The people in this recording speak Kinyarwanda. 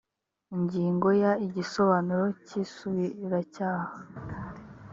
ingingo ya igisobanuro cy isubiracyaha